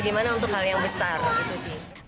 gimana untuk hal yang besar gitu sih